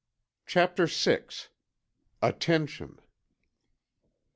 CHAPTER VI. ATTENTION.